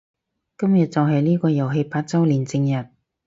今日就係呢個遊戲八周年正日